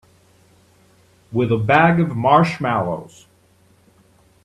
With a bag of marshmallows.